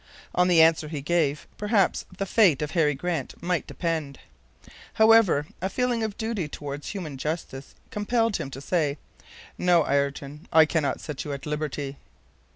On the answer he gave, perhaps the fate of Harry Grant might depend! However, a feeling of duty toward human justice compelled him to say: "No, Ayrton, I cannot set you at liberty."